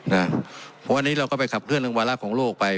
เพราะอันนี้เราก็ไปขับเคลื่อนเรื่องวาระของโลกไป